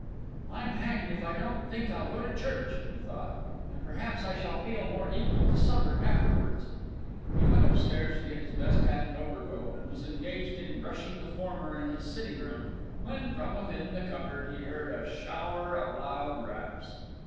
"I'm hanged if I don't think I'll go to church!" he thought; "and perhaps I shall feel more equal to supper afterwards." He went upstairs to get his best hat and overcoat, and was engaged in brushing the former in his sitting room, when from within the cupboard he heard a shower of loud raps.